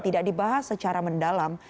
tidak dibahas secara mendalam